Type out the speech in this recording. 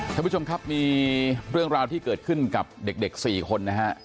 ท่านผู้ชมครับมีเรื่องราวที่เกิดขึ้นกับเด็ก๔คนนะฮะ